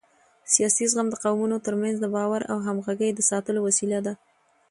سیاسي زغم د قومونو ترمنځ د باور او همغږۍ د ساتلو وسیله ده